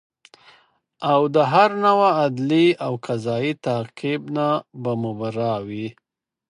او د هر نوع عدلي او قضایي تعقیب نه به مبرا وي